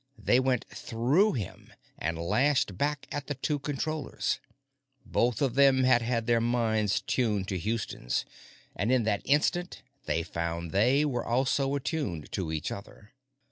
They went through him and lashed back at the two Controllers. Both of them had had their minds tuned to Houston's, and in that instant they found they, were also attuned to each other.